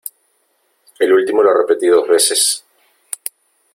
el último lo repetí dos veces :